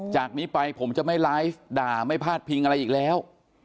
จากนี้ไปผมจะไม่ไลฟ์ด่าไม่พาดพิงอะไรอีกแล้ว